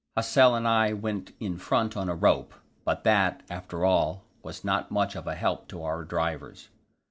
Hassel and I went in front on a rope; but that, after all, was not much of a help to our drivers.